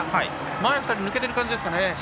前２人が抜けている感じですかね。